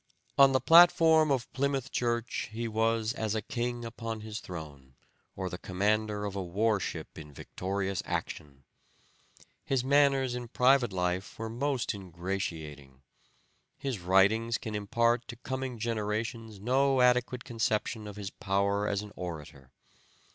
On the platform of Plymouth Church he was as a king upon his throne, or the commander of a war ship in victorious action. His manners in private life were most ingratiating. His writings can impart to coming generations no adequate conception of his power as an orator.